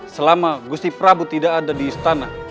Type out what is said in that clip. selama gusi prabu tidak ada di istana